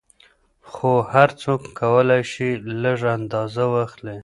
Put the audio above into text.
خو هر څوک کولای شي لږ اندازه واخلي.